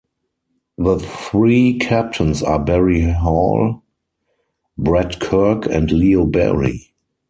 The three captains are Barry Hall, Brett Kirk and Leo Barry.